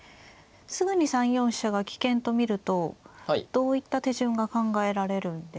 すぐに３四飛車が危険と見るとどういった手順が考えられるんでしょうか。